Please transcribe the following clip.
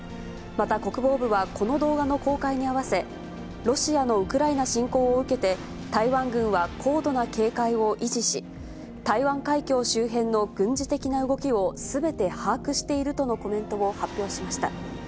また国防部は、この動画の公開に合わせ、ロシアのウクライナ侵攻を受けて、台湾軍は高度な警戒を維持し、台湾海峡周辺の軍事的な動きをすべて把握しているとのコメントを発表しました。